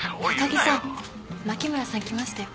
高木さん牧村さん来ましたよ。